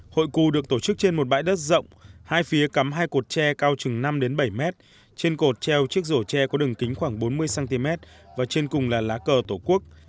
hội cù được tổ chức trên một bãi đất rộng hai phía cắm hai cột tre cao chừng năm bảy m trên cột treo chiếc rổ tre có đường kính khoảng bốn mươi cm và trên cùng là lá cờ tổ quốc